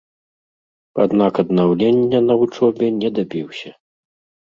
Аднак аднаўлення на вучобе не дабіўся.